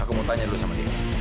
aku mau tanya dulu sama dia